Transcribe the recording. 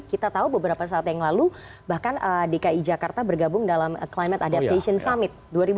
kita tahu beberapa saat yang lalu bahkan dki jakarta bergabung dalam climate adaptation summit dua ribu dua puluh